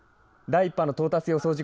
第１波の到達予想